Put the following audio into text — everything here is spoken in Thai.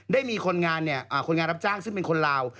ได้มีคนงานเนี่ยคนงานรับจ้างซึ่งเป็นคนลาว